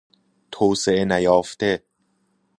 توسعه نیافته